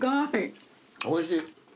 おいしい。